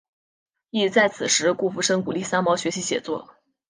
亦在此时顾福生鼓励三毛学习写作。